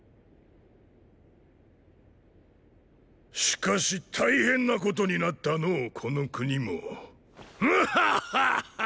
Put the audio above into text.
しかし大変なことになったのォこの国も。ヌッハハハハ！